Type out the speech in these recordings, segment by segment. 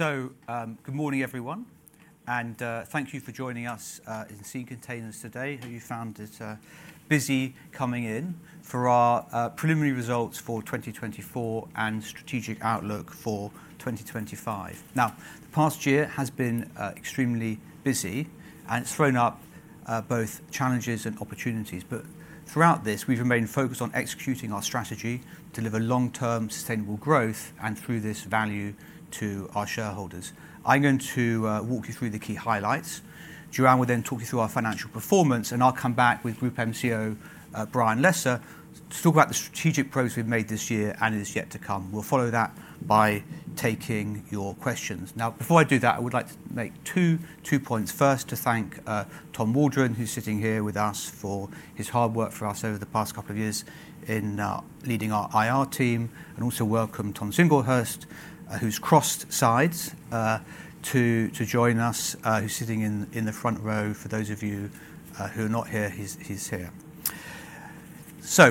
Good morning, everyone, and thank you for joining us in Sea Containers today. I hope you found it busy coming in for our preliminary results for 2024 and strategic outlook for 2025. Now, the past year has been extremely busy, and it's thrown up both challenges and opportunities. But throughout this, we've remained focused on executing our strategy to deliver long-term sustainable growth and, through this, value to our shareholders. I'm going to walk you through the key highlights. Joanne will then talk you through our financial performance, and I'll come back with GroupM's Brian Lesser to talk about the strategic progress we've made this year and is yet to come. We'll follow that by taking your questions. Now, before I do that, I would like to make two points. First, to thank Tom Waldron, who's sitting here with us for his hard work for us over the past couple of years in leading our IR team, and also welcome Tom Singlehurst, who's crossed sides to join us, who's sitting in the front row. For those of you who are not here, he's here.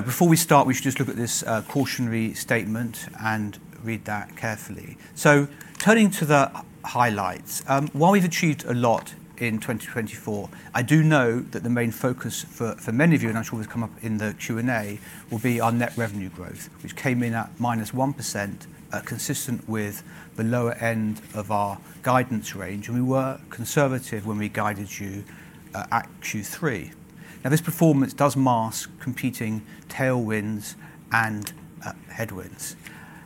Before we start, we should just look at this cautionary statement and read that carefully. Turning to the highlights, while we've achieved a lot in 2024, I do know that the main focus for many of you, and I'm sure this will come up in the Q&A, will be our net revenue growth, which came in at -1%, consistent with the lower end of our guidance range. We were conservative when we guided you at Q3. Now, this performance does mask competing tailwinds and headwinds.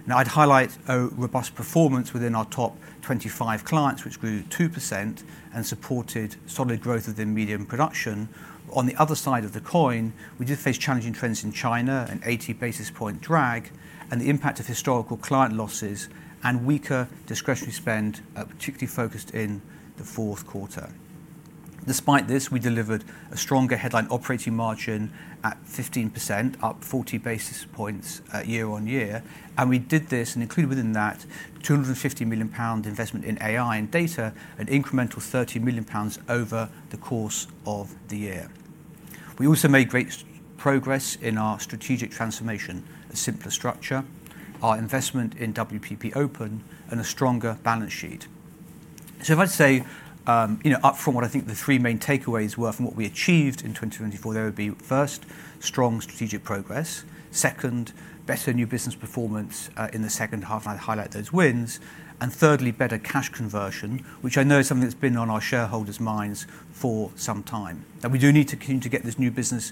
Now, I'd highlight a robust performance within our top 25 clients, which grew 2% and supported solid growth within media production. On the other side of the coin, we did face challenging trends in China, an 80 basis points drag, and the impact of historical client losses and weaker discretionary spend, particularly focused in the fourth quarter. Despite this, we delivered a stronger headline operating margin at 15%, up 40 basis points year on year, and we did this and included within that 250 million pounds investment in AI and data, an incremental 30 million pounds over the course of the year. We also made great progress in our strategic transformation, a simpler structure, our investment in WPP Open, and a stronger balance sheet. So, if I'd say, you know, upfront, what I think the three main takeaways were from what we achieved in 2024, they would be first, strong strategic progress, second, better new business performance, in the second half, and I'd highlight those wins, and thirdly, better cash conversion, which I know is something that's been on our shareholders' minds for some time. Now, we do need to continue to get this new business,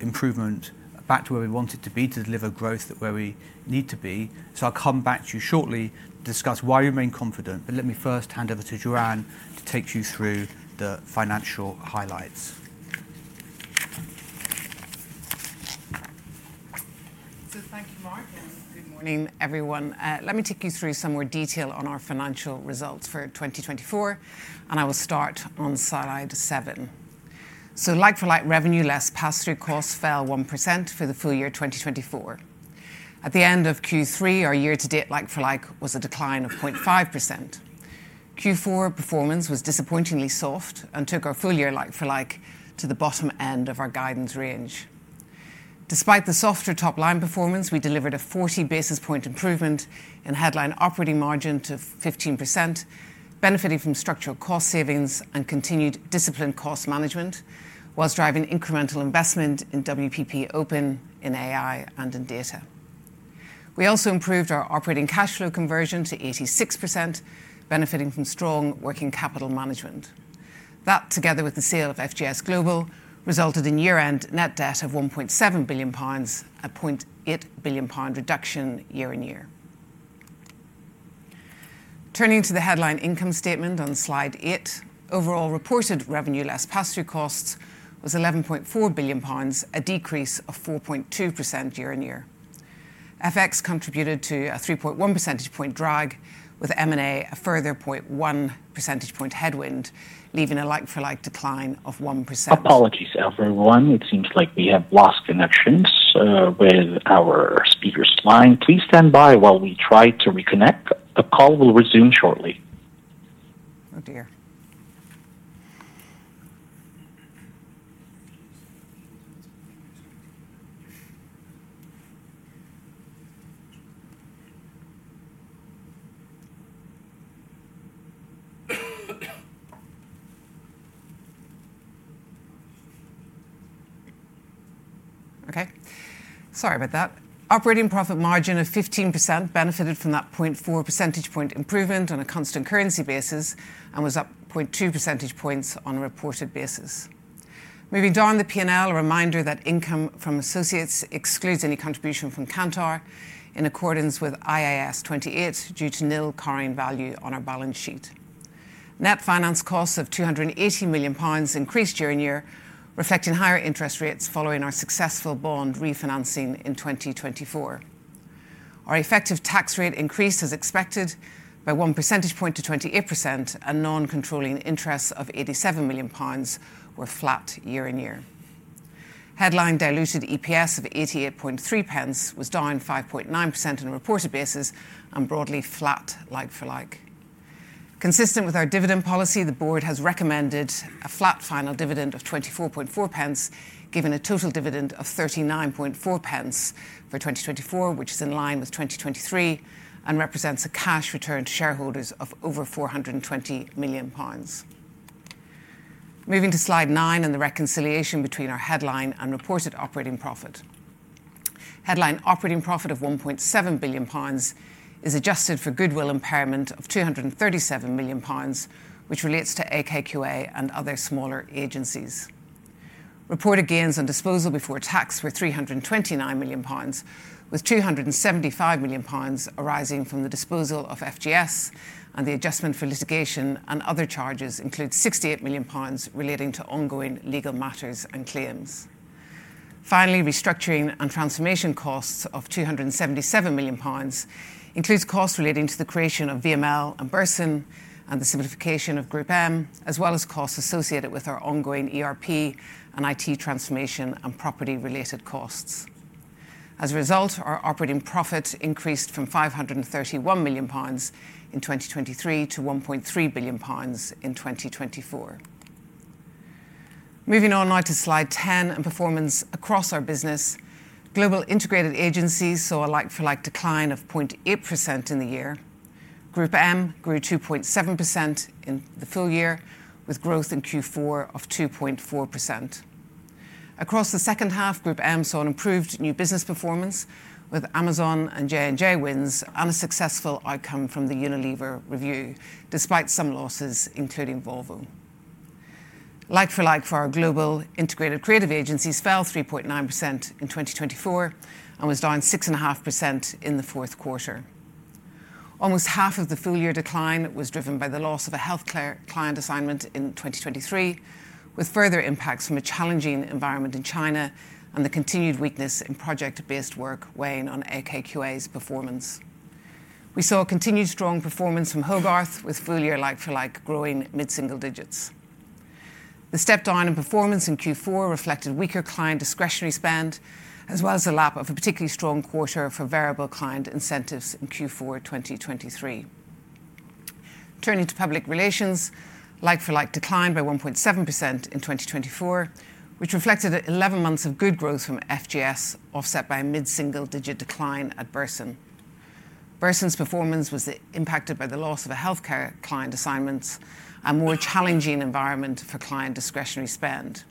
improvement back to where we want it to be, to deliver growth where we need to be. So, I'll come back to you shortly to discuss why we remain confident, but let me first hand over to Joanne to take you through the financial highlights. So, thank you, Mark, and good morning, everyone. Let me take you through some more detail on our financial results for 2024, and I will start on slide seven. So, like-for-like revenue less pass-through cost fell 1% for the full year 2024. At the end of Q3, our year-to-date like-for-like was a decline of 0.5%. Q4 performance was disappointingly soft and took our full year like-for-like to the bottom end of our guidance range. Despite the softer top-line performance, we delivered a 40 basis point improvement in headline operating margin to 15%, benefiting from structural cost savings and continued disciplined cost management while driving incremental investment in WPP Open, in AI, and in data. We also improved our operating cash flow conversion to 86%, benefiting from strong working capital management. That, together with the sale of FGS Global, resulted in year-end net debt of 1.7 billion pounds at a 0.8 billion pound reduction year on year. Turning to the headline income statement on slide eight, overall reported revenue less pass-through costs was 11.4 billion pounds, a decrease of 4.2% year on year. FX contributed to a 3.1 percentage point drag, with M&A a further 0.1 percentage point headwind, leaving a like-for-like decline of 1%. Apologies, everyone. It seems like we have lost connections, with our speaker's line. Please stand by while we try to reconnect. The call will resume shortly. Operating profit margin of 15% benefited from that 0.4 percentage point improvement on a constant currency basis and was up 0.2 percentage points on a reported basis. Moving down the P&L, a reminder that income from associates excludes any contribution from Kantar in accordance with IAS 28 due to nil carrying value on our balance sheet. Net finance costs of 280 million pounds increased year on year, reflecting higher interest rates following our successful bond refinancing in 2024. Our effective tax rate increased as expected by one percentage point to 28%, and non-controlling interest of GBP 87 million were flat year on year. Headline diluted EPS of 88.3 was down 5.9% on a reported basis and broadly flat like-for-like. Consistent with our dividend policy, the board has recommended a flat final dividend of 24.4, giving a total dividend of 39.4 for 2024, which is in line with 2023 and represents a cash return to shareholders of over 420 million pounds. Moving to slide nine and the reconciliation between our headline and reported operating profit. Headline operating profit of 1.7 billion pounds is adjusted for goodwill impairment of 237 million pounds, which relates to AKQA and other smaller agencies. Reported gains on disposal before tax were 329 million pounds, with 275 million pounds arising from the disposal of FGS, and the adjustment for litigation and other charges includes 68 million pounds relating to ongoing legal matters and claims. Finally, restructuring and transformation costs of 277 million pounds includes costs relating to the creation of VML and Burson and the simplification of GroupM, as well as costs associated with our ongoing ERP and IT transformation and property-related costs. As a result, our operating profit increased from 531 million pounds in 2023 to 1.3 billion pounds in 2024. Moving on now to slide ten and performance across our business, global integrated agencies saw a like-for-like decline of 0.8% in the year. GroupM grew 2.7% in the full year, with growth in Q4 of 2.4%. Across the second half, GroupM saw an improved new business performance with Amazon and J&J wins and a successful outcome from the Unilever review, despite some losses, including Volvo. Like-for-like for our global integrated creative agencies fell 3.9% in 2024 and was down 6.5% in the fourth quarter. Almost half of the full year decline was driven by the loss of a health client assignment in 2023, with further impacts from a challenging environment in China and the continued weakness in project-based work weighing on AKQA's performance. We saw continued strong performance from Hogarth, with full year like-for-like growing mid-single digits. The step-down in performance in Q4 reflected weaker client discretionary spend, as well as a lap of a particularly strong quarter for variable client incentives in Q4 2023. Turning to public relations, like-for-like declined by 1.7% in 2024, which reflected 11 months of good growth from FGS, offset by a mid-single digit decline at Burson. Burson's performance was impacted by the loss of a healthcare client assignment and a more challenging environment for client discretionary spend.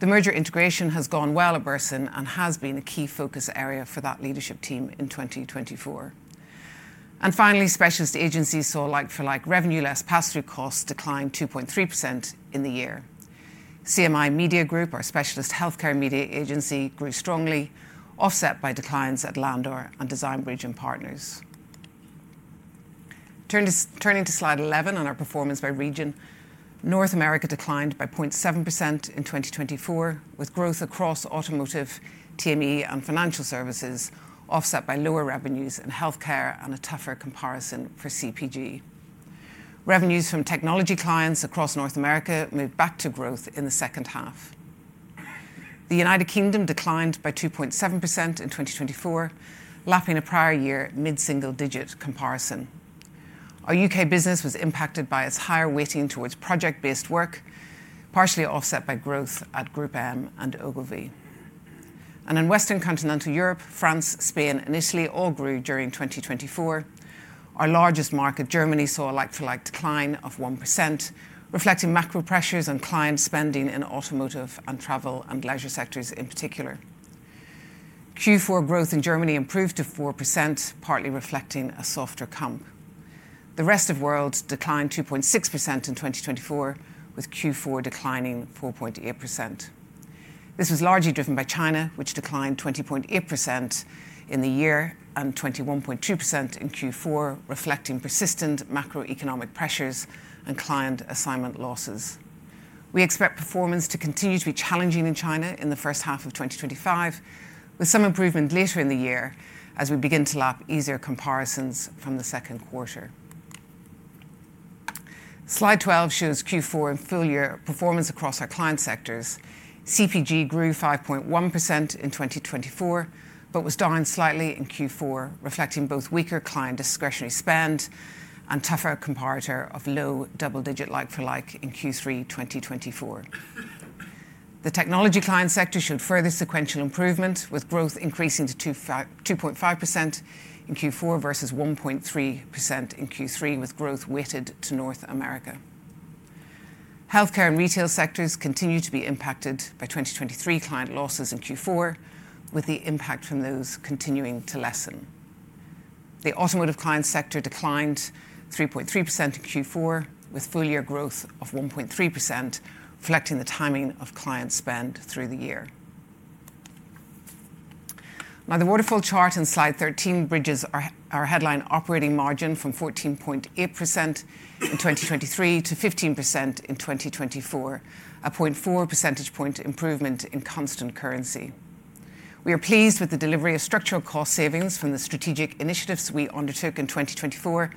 The merger integration has gone well at Burson and has been a key focus area for that leadership team in 2024. And finally, specialist agencies saw like-for-like revenue less pass-through costs decline 2.3% in the year. CMI Media Group, our specialist healthcare media agency, grew strongly, offset by declines at Landor and Design Bridge and Partners. Turning to slide 11 and our performance by region, North America declined by 0.7% in 2024, with growth across automotive, TME, and financial services, offset by lower revenues in healthcare and a tougher comparison for CPG. Revenues from technology clients across North America moved back to growth in the second half. The United Kingdom declined by 2.7% in 2024, lapping a prior year mid-single digit comparison. Our UK business was impacted by its higher weighting towards project-based work, partially offset by growth at GroupM and Ogilvy. And in Western Continental Europe, France, and Spain initially all grew during 2024. Our largest market, Germany, saw a like-for-like decline of 1%, reflecting macro pressures on client spending in automotive and travel and leisure sectors in particular. Q4 growth in Germany improved to 4%, partly reflecting a softer comp. The rest of the world declined 2.6% in 2024, with Q4 declining 4.8%. This was largely driven by China, which declined 20.8% in the year and 21.2% in Q4, reflecting persistent macroeconomic pressures and client assignment losses. We expect performance to continue to be challenging in China in the first half of 2025, with some improvement later in the year as we begin to lap easier comparisons from the second quarter. Slide twelve shows Q4 and full year performance across our client sectors. CPG grew 5.1% in 2024 but was down slightly in Q4, reflecting both weaker client discretionary spend and a tougher comparator of low double-digit like-for-like in Q3 2024. The technology client sector showed further sequential improvement, with growth increasing to 2.5% in Q4 versus 1.3% in Q3, with growth weighted to North America. Healthcare and retail sectors continue to be impacted by 2023 client losses in Q4, with the impact from those continuing to lessen. The automotive client sector declined 3.3% in Q4, with full year growth of 1.3%, reflecting the timing of client spend through the year. Now, the waterfall chart in slide thirteen bridges our headline operating margin from 14.8% in 2023 to 15% in 2024, a 0.4 percentage point improvement in constant currency. We are pleased with the delivery of structural cost savings from the strategic initiatives we undertook in 2024,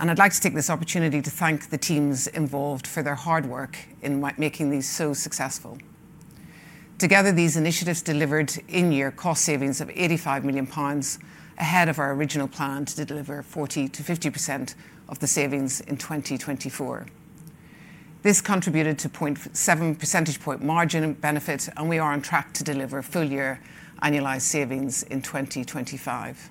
and I'd like to take this opportunity to thank the teams involved for their hard work in making these so successful. Together, these initiatives delivered in-year cost savings of 85 million pounds ahead of our original plan to deliver 40%-50% of the savings in 2024. This contributed to a 0.7 percentage point margin benefit, and we are on track to deliver full year annualized savings in 2025.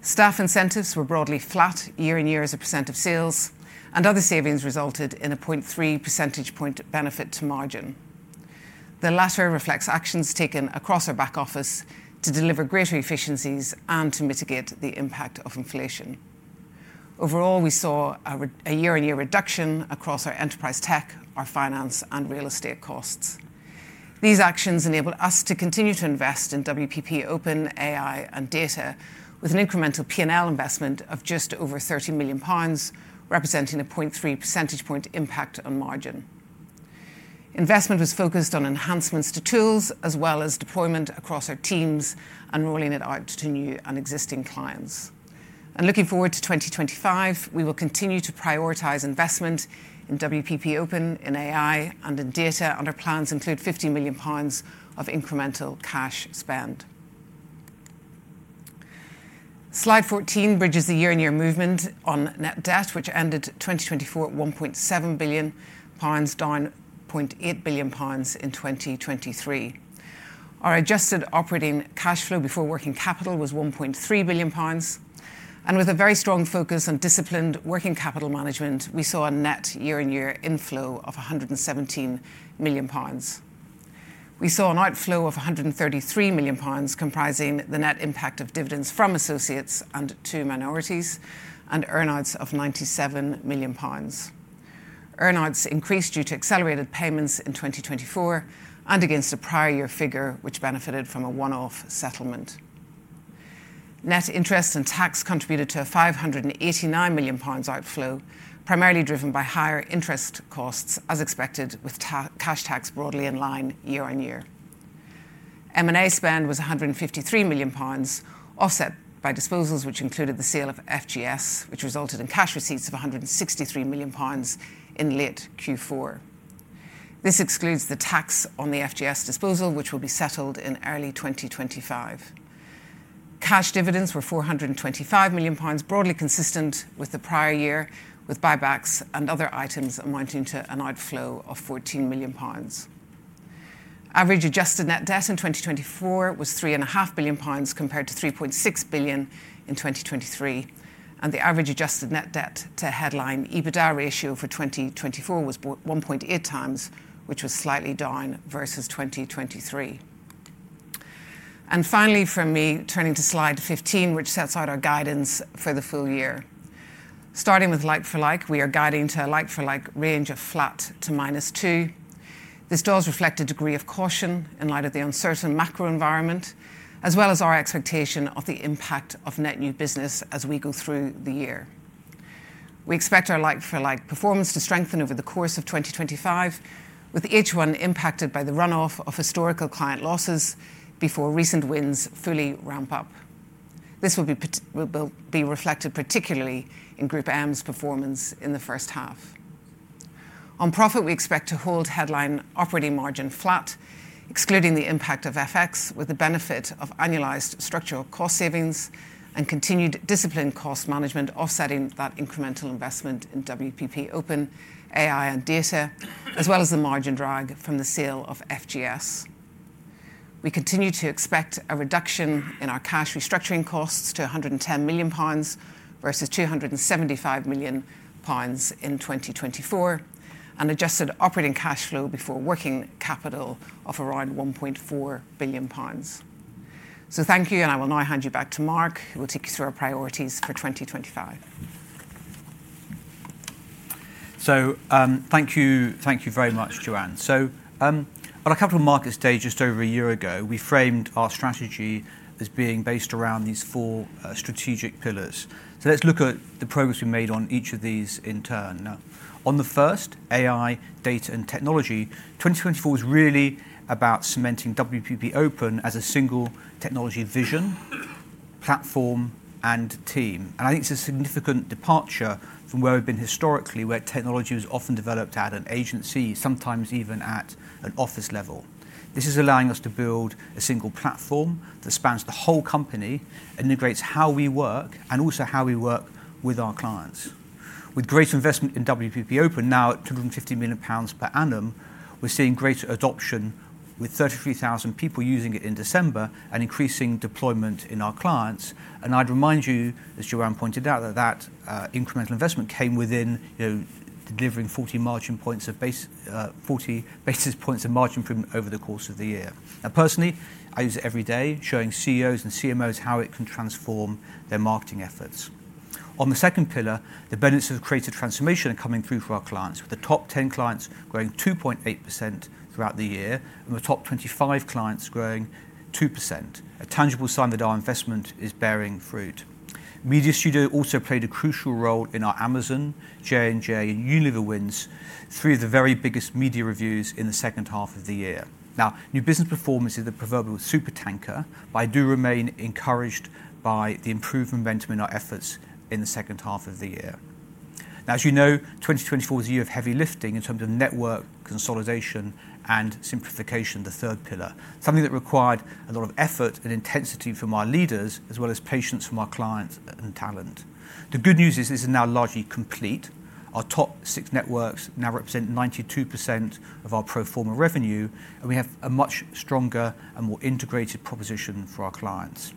Staff incentives were broadly flat year on year as a % of sales, and other savings resulted in a 0.3 percentage point benefit to margin. The latter reflects actions taken across our back office to deliver greater efficiencies and to mitigate the impact of inflation. Overall, we saw a year-on-year reduction across our enterprise tech, our finance, and real estate costs. These actions enabled us to continue to invest in WPP Open, AI, and data, with an incremental P&L investment of just over 30 million pounds, representing a 0.3 percentage point impact on margin. Investment was focused on enhancements to tools as well as deployment across our teams and rolling it out to new and existing clients, and looking forward to 2025, we will continue to prioritize investment in WPP Open, in AI, and in data, and our plans include 50 million pounds of incremental cash spend. Slide 14 bridges the year-on-year movement on net debt, which ended 2024 at 1.7 billion pounds, down 0.8 billion pounds in 2023. Our adjusted operating cash flow before working capital was 1.3 billion pounds, and with a very strong focus on disciplined working capital management, we saw a net year-on-year inflow of 117 million pounds. We saw an outflow of 133 million pounds, comprising the net impact of dividends from associates and to minorities, and earnings of 97 million pounds. Earnings increased due to accelerated payments in 2024 and against a prior year figure, which benefited from a one-off settlement. Net interest and tax contributed to a 589 million pounds outflow, primarily driven by higher interest costs, as expected, with cash tax broadly in line year on year. M&A spend was 153 million pounds, offset by disposals which included the sale of FGS, which resulted in cash receipts of 163 million pounds in late Q4. This excludes the tax on the FGS disposal, which will be settled in early 2025. Cash dividends were 425 million pounds, broadly consistent with the prior year, with buybacks and other items amounting to an outflow of 14 million pounds. Average adjusted net debt in 2024 was 3.5 billion pounds, compared to 3.6 billion in 2023, and the average adjusted net debt to headline EBITDA ratio for 2024 was 1.8 times, which was slightly down versus 2023, and finally, from me, turning to slide fifteen, which sets out our guidance for the full year. Starting with like-for-like, we are guiding to a like-for-like range of flat to -2. This does reflect a degree of caution in light of the uncertain macro environment, as well as our expectation of the impact of net new business as we go through the year. We expect our like-for-like performance to strengthen over the course of 2025, with each one impacted by the runoff of historical client losses before recent wins fully ramp up. This will be reflected particularly in GroupM's performance in the first half. On profit, we expect to hold headline operating margin flat, excluding the impact of FX, with the benefit of annualized structural cost savings and continued disciplined cost management, offsetting that incremental investment in WPP Open, AI, and data, as well as the margin drag from the sale of FGS. We continue to expect a reduction in our cash restructuring costs to 110 million pounds versus 275 million pounds in 2024, and adjusted operating cash flow before working capital of around 1.4 billion pounds. So thank you, and I will now hand you back to Mark, who will take you through our priorities for 2025. So thank you, thank you very much, Joanne. So on a capital markets day just over a year ago, we framed our strategy as being based around these four strategic pillars. So let's look at the progress we made on each of these in turn. Now, on the first, AI, data, and technology, 2024 was really about cementing WPP Open as a single technology vision, platform, and team. And I think it's a significant departure from where we've been historically, where technology was often developed at an agency, sometimes even at an office level. This is allowing us to build a single platform that spans the whole company, integrates how we work, and also how we work with our clients. With greater investment in WPP Open, now at 250 million pounds per annum, we're seeing greater adoption, with 33,000 people using it in December and increasing deployment in our clients. And I'd remind you, as Joanne pointed out, that that incremental investment came within delivering 40 margin points of base, 40 basis points of margin improvement over the course of the year. Now, personally, I use it every day, showing CEOs and CMOs how it can transform their marketing efforts. On the second pillar, the benefits of creative transformation are coming through for our clients, with the top ten clients growing 2.8% throughout the year and the top 25 clients growing 2%, a tangible sign that our investment is bearing fruit. Media Studio also played a crucial role in our Amazon, J&J, and Unilever wins through the very biggest media reviews in the second half of the year. Now, new business performance is the proverbial super tanker, but I do remain encouraged by the improved momentum in our efforts in the second half of the year. Now, as you know, 2024 was a year of heavy lifting in terms of network consolidation and simplification, the third pillar, something that required a lot of effort and intensity from our leaders, as well as patience from our clients and talent. The good news is this is now largely complete. Our top six networks now represent 92% of our pro forma revenue, and we have a much stronger and more integrated proposition for our clients.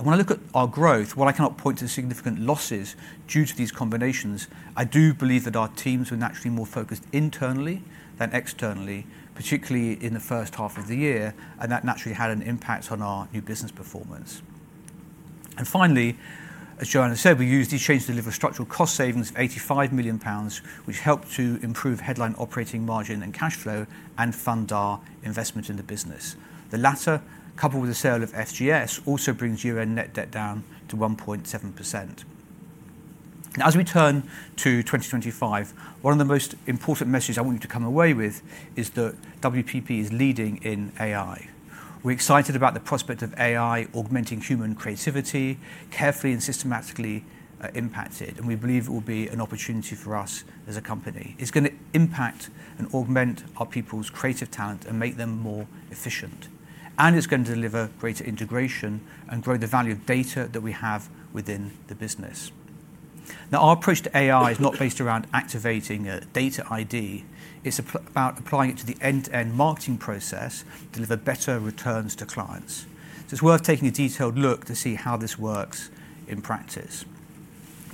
When I look at our growth, while I cannot point to significant losses due to these combinations, I do believe that our teams were naturally more focused internally than externally, particularly in the first half of the year, and that naturally had an impact on our new business performance. Finally, as Joanne said, we used these changes to deliver structural cost savings of 85 million pounds, which helped to improve headline operating margin and cash flow and fund our investment in the business. The latter, coupled with the sale of FGS, also brings year-end net debt down to 1.7%. Now, as we turn to 2025, one of the most important messages I want you to come away with is that WPP is leading in AI. We're excited about the prospect of AI augmenting human creativity, carefully and systematically implemented, and we believe it will be an opportunity for us as a company. It's going to impact and augment our people's creative talent and make them more efficient, and it's going to deliver greater integration and grow the value of data that we have within the business. Now, our approach to AI is not based around activating a data ID. It's about applying it to the end-to-end marketing process to deliver better returns to clients, so it's worth taking a detailed look to see how this works in practice.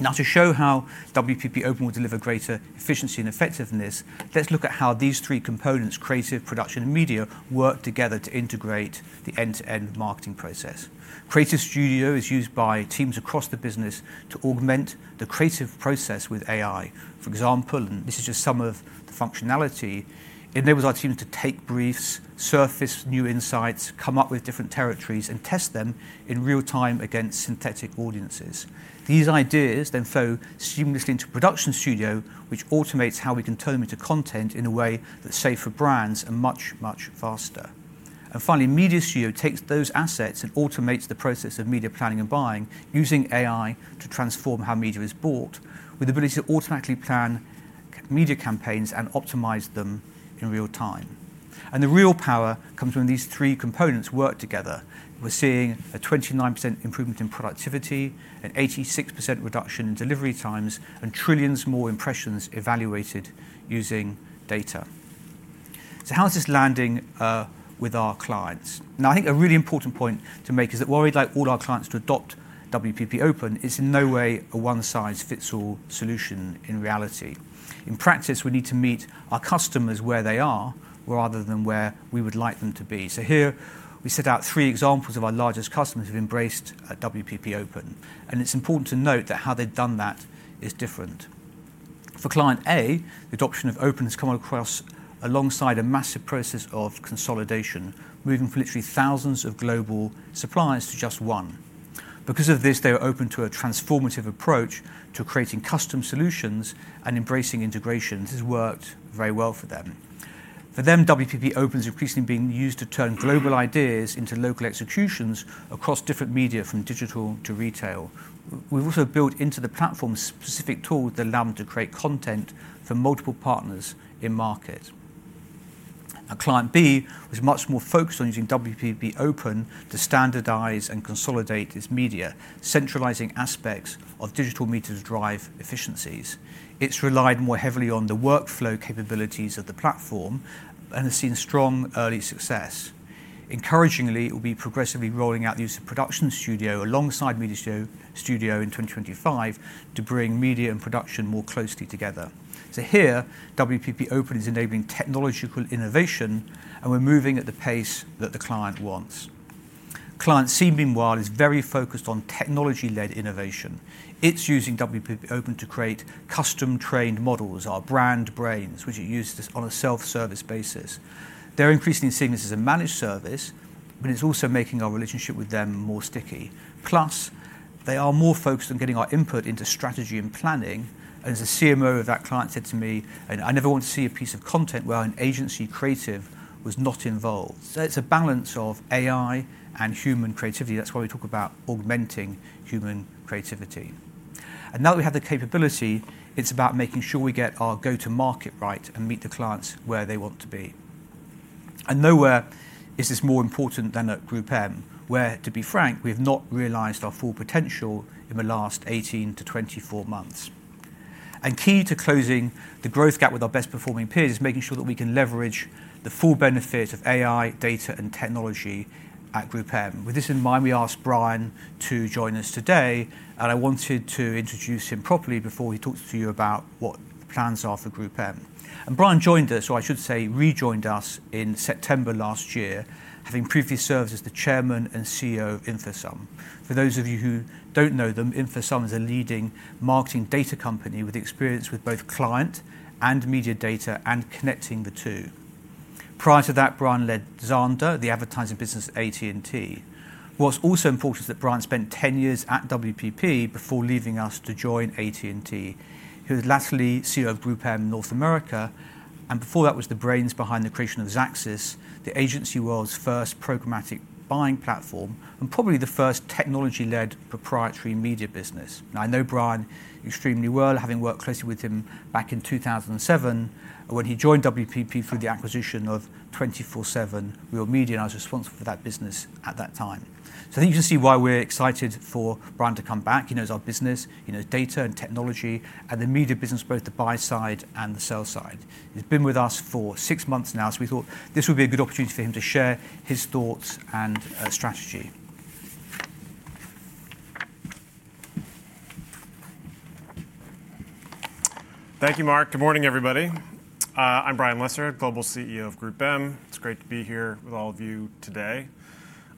Now, to show how WPP Open will deliver greater efficiency and effectiveness, let's look at how these three components, creative, production, and media, work together to integrate the end-to-end marketing process. Creative Studio is used by teams across the business to augment the creative process with AI. For example, and this is just some of the functionality, it enables our teams to take briefs, surface new insights, come up with different territories, and test them in real time against synthetic audiences. These ideas then flow seamlessly into Production Studio, which automates how we can turn them into content in a way that's safe for brands and much, much faster, and finally Media Studio takes those assets and automates the process of media planning and buying, using AI to transform how media is bought, with the ability to automatically plan media campaigns and optimize them in real time. And the real power comes when these three components work together. We're seeing a 29% improvement in productivity, an 86% reduction in delivery times, and trillions more impressions evaluated using data, so how is this landing with our clients? Now, I think a really important point to make is that while we'd like all our clients to adopt WPP Open, it's in no way a one-size-fits-all solution in reality. In practice, we need to meet our customers where they are rather than where we would like them to be. So here, we set out three examples of our largest customers who've embraced WPP Open, and it's important to note that how they've done that is different. For client A, the adoption of Open has come across alongside a massive process of consolidation, moving from literally thousands of global suppliers to just one. Because of this, they were open to a transformative approach to creating custom solutions and embracing integration. This has worked very well for them. For them, WPP Open is increasingly being used to turn global ideas into local executions across different media, from digital to retail. We've also built into the platform specific tools that allow them to create content for multiple partners in market. Now, Client B was much more focused on using WPP Open to standardize and consolidate its media, centralizing aspects of digital media to drive efficiencies. It's relied more heavily on the workflow capabilities of the platform and has seen strong early success. Encouragingly, it will be progressively rolling out the use of Production Studio alongside Media Studio in 2025 to bring media and production more closely together. So here, WPP Open is enabling technological innovation, and we're moving at the pace that the client wants. Client C, meanwhile, is very focused on technology-led innovation. It's using WPP Open to create custom-trained models, our Brand Brains, which it uses on a self-service basis. They're increasingly seeing this as a managed service, but it's also making our relationship with them more sticky. Plus, they are more focused on getting our input into strategy and planning. And as a CMO of that client said to me, "I never want to see a piece of content where an agency creative was not involved." So it's a balance of AI and human creativity. That's why we talk about augmenting human creativity. And now that we have the capability, it's about making sure we get our go-to-market right and meet the clients where they want to be. And nowhere is this more important than at GroupM, where, to be frank, we have not realized our full potential in the last 18 to 24 months. And key to closing the growth gap with our best-performing peers is making sure that we can leverage the full benefits of AI, data, and technology at GroupM. With this in mind, we asked Brian to join us today, and I wanted to introduce him properly before he talks to you about what the plans are for GroupM. And Brian joined us, or I should say rejoined us, in September last year, having previously served as the chairman and CEO of InfoSum. For those of you who don't know them, InfoSum is a leading marketing data company with experience with both client and media data and connecting the two. Prior to that, Brian led Xandr, the advertising business at AT&T. What's also important is that Brian spent 10 years at WPP before leaving us to join AT&T, who is latterly CEO of GroupM North America. And before that, was the brains behind the creation of Xaxis, the agency world's first programmatic buying platform and probably the first technology-led proprietary media business. Now, I know Brian extremely well, having worked closely with him back in 2007 when he joined WPP through the acquisition of 24/7 Real Media, and I was responsible for that business at that time. So I think you can see why we're excited for Brian to come back. He knows our business, he knows data and technology, and the media business, both the buy side and the sell side. He's been with us for six months now, so we thought this would be a good opportunity for him to share his thoughts and strategy. Thank you, Mark. Good morning, everybody. I'm Brian Lesser, Global CEO of GroupM. It's great to be here with all of you today.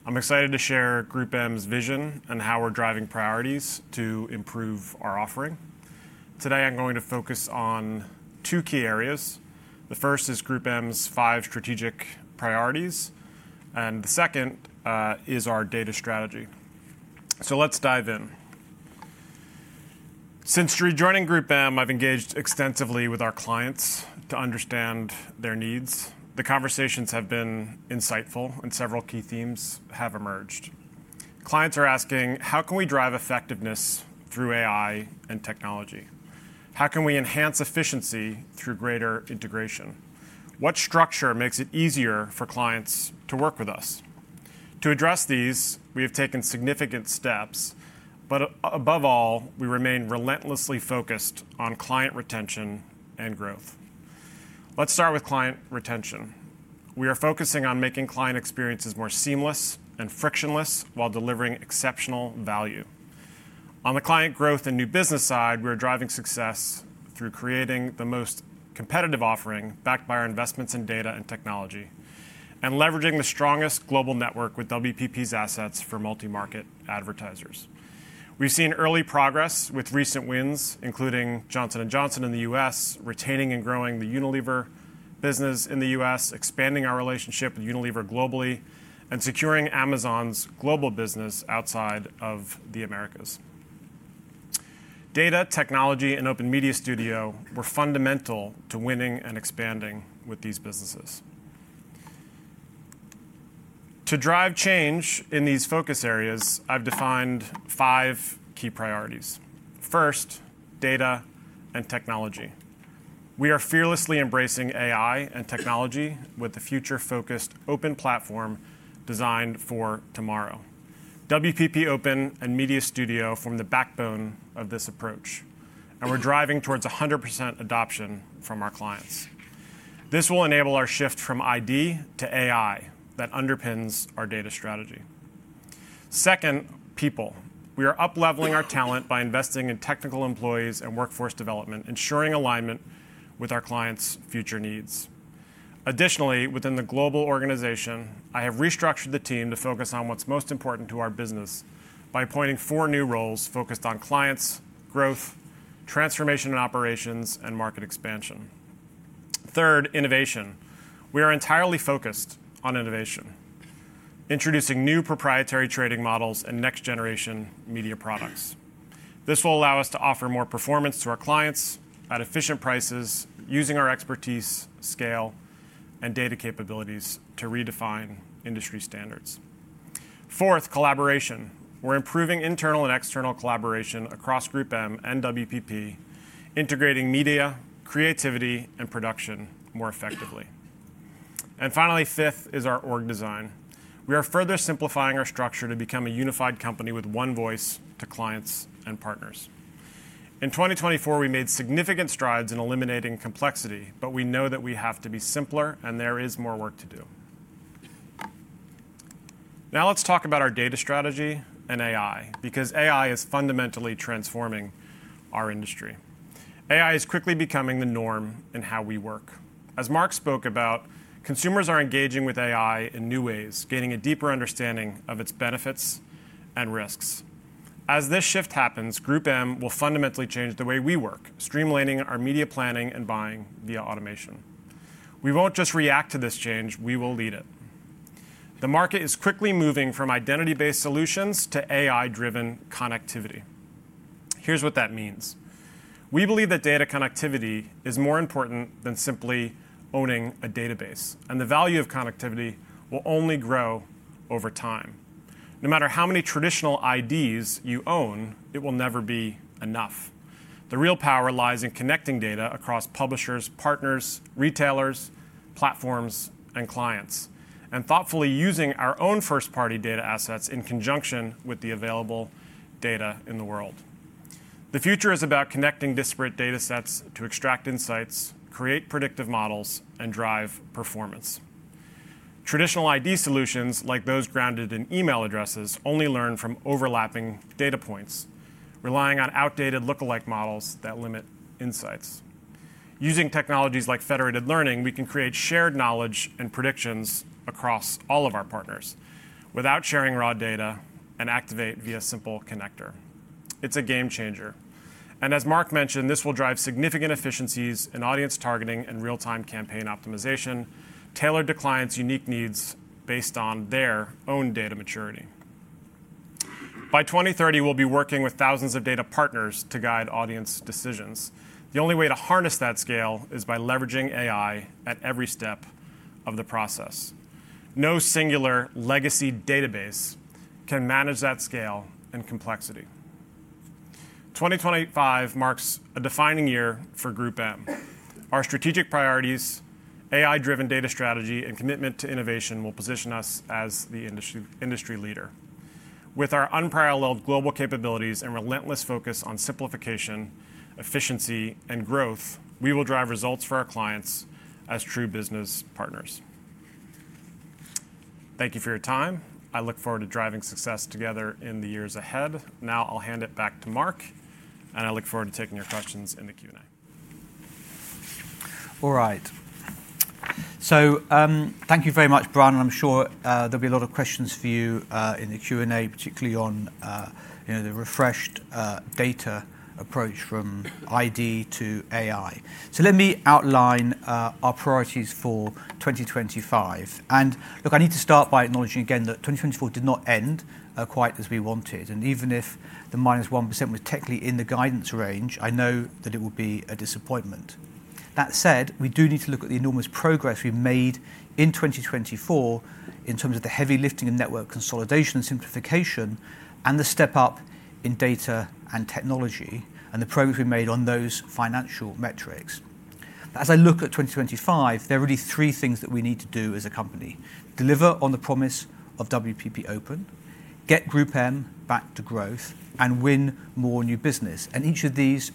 I'm excited to share GroupM's vision and how we're driving priorities to improve our offering. Today, I'm going to focus on two key areas. The first is GroupM's five strategic priorities, and the second is our data strategy. So let's dive in. Since rejoining GroupM, I've engaged extensively with our clients to understand their needs. The conversations have been insightful, and several key themes have emerged. Clients are asking, "How can we drive effectiveness through AI and technology? How can we enhance efficiency through greater integration? What structure makes it easier for clients to work with us?" To address these, we have taken significant steps, but above all, we remain relentlessly focused on client retention and growth. Let's start with client retention. We are focusing on making client experiences more seamless and frictionless while delivering exceptional value. On the client growth and new business side, we're driving success through creating the most competitive offering backed by our investments in data and technology and leveraging the strongest global network with WPP's assets for multi-market advertisers. We've seen early progress with recent wins, including Johnson & Johnson in the U.S., retaining and growing the Unilever business in the U.S., expanding our relationship with Unilever globally, and securing Amazon's global business outside of the Americas. Data, technology, and Open Media Studio were fundamental to winning and expanding with these businesses. To drive change in these focus areas, I've defined five key priorities. First, data and technology. We are fearlessly embracing AI and technology with a future-focused open platform designed for tomorrow. WPP Open and Media Studio form the backbone of this approach, and we're driving towards 100% adoption from our clients. This will enable our shift from ID to AI that underpins our data strategy. Second, people. We are upleveling our talent by investing in technical employees and workforce development, ensuring alignment with our clients' future needs. Additionally, within the global organization, I have restructured the team to focus on what's most important to our business by appointing four new roles focused on clients, growth, transformation in operations, and market expansion. Third, innovation. We are entirely focused on innovation, introducing new proprietary trading models and next-generation media products. This will allow us to offer more performance to our clients at efficient prices, using our expertise, scale, and data capabilities to redefine industry standards. Fourth, collaboration. We're improving internal and external collaboration across GroupM and WPP, integrating media, creativity, and production more effectively. And finally, fifth is our org design. We are further simplifying our structure to become a unified company with one voice to clients and partners. In 2024, we made significant strides in eliminating complexity, but we know that we have to be simpler, and there is more work to do. Now, let's talk about our data strategy and AI, because AI is fundamentally transforming our industry. AI is quickly becoming the norm in how we work. As Mark spoke about, consumers are engaging with AI in new ways, gaining a deeper understanding of its benefits and risks. As this shift happens, GroupM will fundamentally change the way we work, streamlining our media planning and buying via automation. We won't just react to this change. We will lead it. The market is quickly moving from identity-based solutions to AI-driven connectivity. Here's what that means. We believe that data connectivity is more important than simply owning a database, and the value of connectivity will only grow over time. No matter how many traditional IDs you own, it will never be enough. The real power lies in connecting data across publishers, partners, retailers, platforms, and clients, and thoughtfully using our own first-party data assets in conjunction with the available data in the world. The future is about connecting disparate data sets to extract insights, create predictive models, and drive performance. Traditional ID solutions, like those grounded in email addresses, only learn from overlapping data points, relying on outdated lookalike models that limit insights. Using technologies like Federated Learning, we can create shared knowledge and predictions across all of our partners without sharing raw data and activate via simple connector. It's a game changer, and as Mark mentioned, this will drive significant efficiencies in audience targeting and real-time campaign optimization, tailored to clients' unique needs based on their own data maturity. By 2030, we'll be working with thousands of data partners to guide audience decisions. The only way to harness that scale is by leveraging AI at every step of the process. No singular legacy database can manage that scale and complexity. 2025 marks a defining year for GroupM. Our strategic priorities, AI-driven data strategy, and commitment to innovation will position us as the industry leader. With our unparalleled global capabilities and relentless focus on simplification, efficiency, and growth, we will drive results for our clients as true business partners. Thank you for your time. I look forward to driving success together in the years ahead. Now, I'll hand it back to Mark, and I look forward to taking your questions in the Q&A. All right. So thank you very much, Brian. I'm sure there'll be a lot of questions for you in the Q&A, particularly on the refreshed data approach from ID to AI. So let me outline our priorities for 2025, and look, I need to start by acknowledging again that 2024 did not end quite as we wanted, and even if the -1% was technically in the guidance range, I know that it will be a disappointment. That said, we do need to look at the enormous progress we've made in 2024 in terms of the heavy lifting of network consolidation and simplification and the step up in data and technology and the progress we made on those financial metrics. As I look at 2025, there are really three things that we need to do as a company: deliver on the promise of WPP Open, get GroupM back to growth, and win more new business. And each of these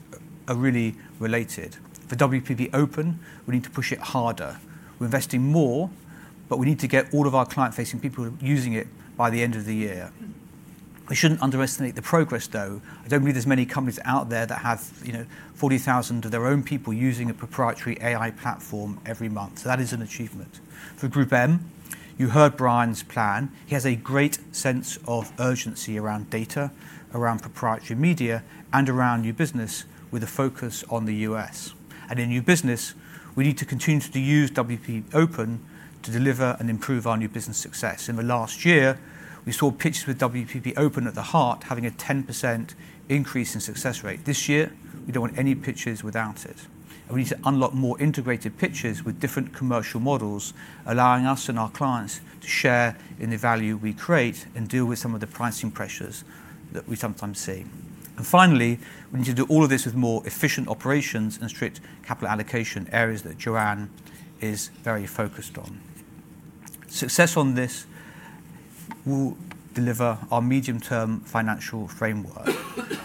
are really related. For WPP Open, we need to push it harder. We're investing more, but we need to get all of our client-facing people using it by the end of the year. We shouldn't underestimate the progress, though. I don't believe there's many companies out there that have 40,000 of their own people using a proprietary AI platform every month. So that is an achievement. For GroupM, you heard Brian's plan. He has a great sense of urgency around data, around proprietary media, and around new business with a focus on the U.S. In new business, we need to continue to use WPP Open to deliver and improve our new business success. In the last year, we saw pitches with WPP Open at the heart, having a 10% increase in success rate. This year, we don't want any pitches without it. We need to unlock more integrated pitches with different commercial models, allowing us and our clients to share in the value we create and deal with some of the pricing pressures that we sometimes see. Finally, we need to do all of this with more efficient operations and strict capital allocation areas that Joanne is very focused on. Success on this will deliver our medium-term financial framework.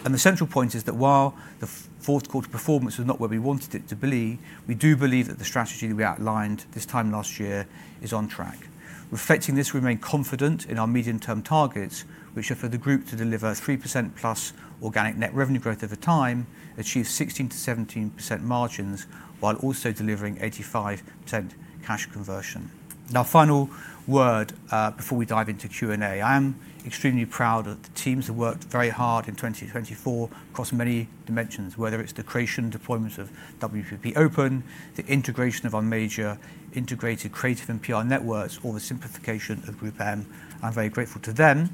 And the central point is that while the fourth-quarter performance was not where we wanted it to be, we do believe that the strategy that we outlined this time last year is on track. Reflecting this, we remain confident in our medium-term targets, which are for the group to deliver 3%+ organic net revenue growth over time, achieve 16%-17% margins, while also delivering 85% cash conversion. Now, final word before we dive into Q&A. I am extremely proud that the teams have worked very hard in 2024 across many dimensions, whether it's the creation and deployment of WPP Open, the integration of our major integrated creative and PR networks, or the simplification of GroupM. I'm very grateful to them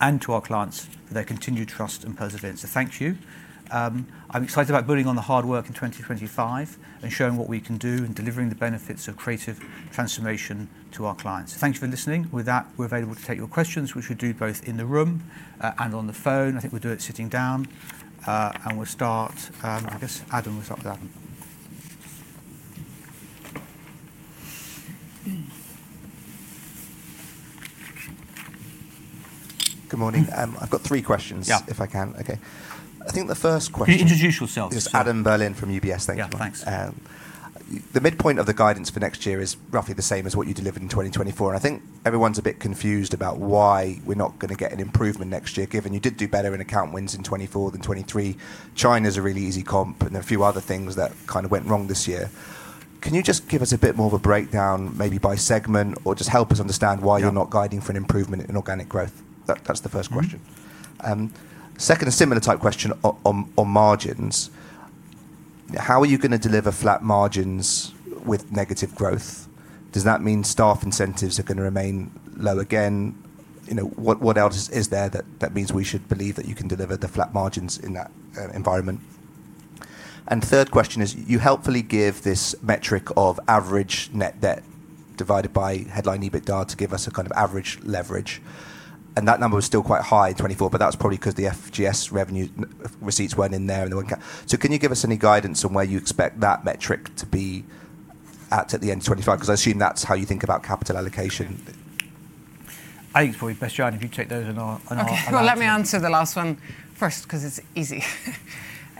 and to our clients for their continued trust and perseverance. So thank you. I'm excited about building on the hard work in 2025 and showing what we can do and delivering the benefits of creative transformation to our clients. So thank you for listening. With that, we're available to take your questions, which we do both in the room and on the phone. I think we'll do it sitting down. We'll start, I guess, with Adam. Good morning. I've got three questions, if I can. Yeah. Okay. I think the first question. Can you introduce yourself? Yes. Adam Berlin from UBS. Thank you. Yeah, thanks. The midpoint of the guidance for next year is roughly the same as what you delivered in 2024. And I think everyone's a bit confused about why we're not going to get an improvement next year, given you did do better in account wins in 2024 than 2023. China's a really easy comp, and there are a few other things that kind of went wrong this year. Can you just give us a bit more of a breakdown, maybe by segment, or just help us understand why you're not guiding for an improvement in organic growth? That's the first question. Second, a similar type question on margins. How are you going to deliver flat margins with negative growth? Does that mean staff incentives are going to remain low again? What else is there that means we should believe that you can deliver the flat margins in that environment? And third question is, you helpfully give this metric of average net debt divided by headline EBITDA to give us a kind of average leverage. And that number was still quite high in 2024, but that was probably because the FGS revenue receipts weren't in there and they weren't capped. So can you give us any guidance on where you expect that metric to be at the end of 2025? Because I assume that's how you think about capital allocation. I think it's probably best, Joanne, if you take those and I'll answer. Let me answer the last one first, because it's easy.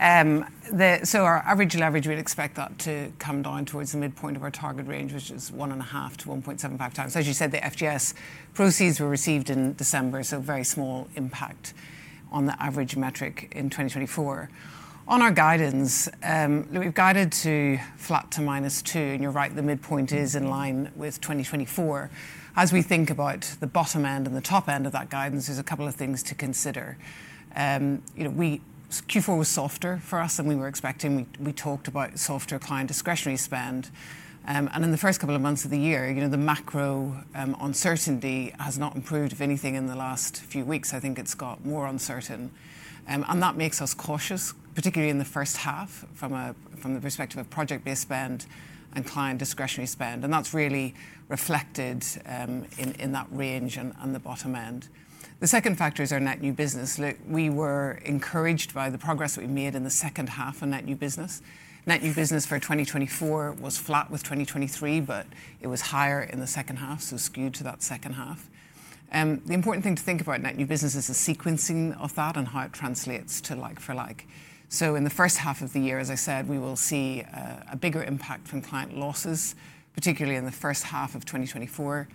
So our average leverage, we'd expect that to come down towards the midpoint of our target range, which is 1.5-1.75 times. As you said, the FGS proceeds were received in December, so very small impact on the average metric in 2024. On our guidance, we've guided to flat to -2. And you're right, the midpoint is in line with 2024. As we think about the bottom end and the top end of that guidance, there's a couple of things to consider. Q4 was softer for us than we were expecting. We talked about softer client discretionary spend. And in the first couple of months of the year, the macro uncertainty has not improved or anything in the last few weeks. I think it's got more uncertain. And that makes us cautious, particularly in the first half, from the perspective of project-based spend and client discretionary spend. And that's really reflected in that range and the bottom end. The second factor is our net new business. Look, we were encouraged by the progress that we made in the second half of net new business. Net new business for 2024 was flat with 2023, but it was higher in the second half, so skewed to that second half. The important thing to think about net new business is the sequencing of that and how it translates to like-for-like. So in the first half of the year, as I said, we will see a bigger impact from client losses, particularly in the first half of 2024,